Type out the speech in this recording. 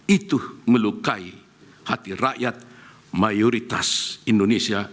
itu melukai hati rakyat mayoritas indonesia